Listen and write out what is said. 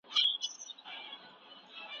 شاګرد کولای سي له لارښود سره مخالفت وکړي.